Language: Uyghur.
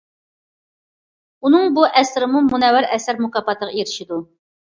ئۇنىڭ بۇ ئەسىرىمۇ« مۇنەۋۋەر ئەسەر» مۇكاپاتىغا ئېرىشىدۇ.